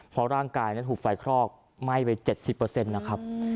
เพราะร่างกายนั้นถูกไฟคลอกไหม้ไป๗๐นะครับ